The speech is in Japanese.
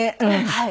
はい。